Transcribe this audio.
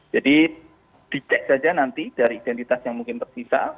jadi dicek saja nanti dari identitas yang mungkin tersisa